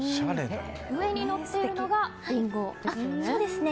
上にのっているのがリンゴですよね。